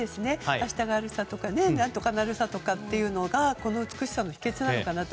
明日があるさとか何とかなるさとかっていうのがこの美しさの秘訣なのかなって。